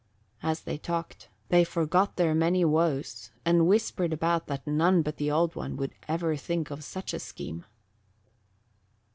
As they talked, they forgot their many woes and whispered about that none but the Old One would ever think of such a scheme.